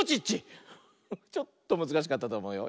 ちょっとむずかしかったとおもうよ。